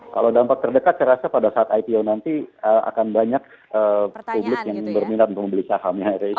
kalau dampak terdekat saya rasa pada saat ipo nanti akan banyak publik yang berminat untuk membeli sahamnya air asia